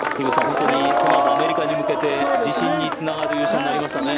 本当にアメリカに向けて自信につながる１勝になりましたね。